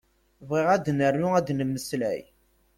Bɣiɣ ad nernu ad nmeslay.